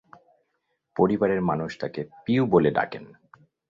পরিবারের মানুষ তাকে পিউ বলে ডাকেন।